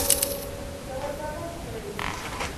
There were several theories.